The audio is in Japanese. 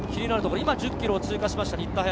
今１０ｋｍを通過しました新田颯。